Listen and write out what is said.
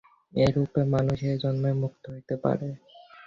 এরূপে মানুষ এ-জন্মেই মুক্ত হইতে পারে।